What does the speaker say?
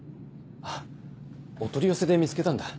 あっお取り寄せで見つけたんだ。